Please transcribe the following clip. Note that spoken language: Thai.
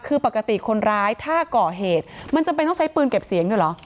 คือปกติคนร้ายถ้าก่อเหตุมันจำเป็นต้องใช้ปืนเก็บเสียงด้วยเหรอ